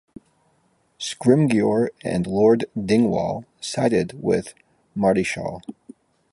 Scrimgeour and Lord Dingwall sided with Marischal.